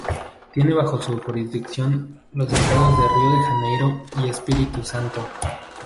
Tiene bajo su jurisdicción los estados de Río de Janeiro y Espíritu Santo.